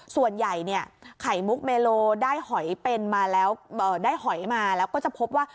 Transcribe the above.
ส่วนใหญ่ไขมุกเมโลได้หอยมาแล้วก็จะพบว่า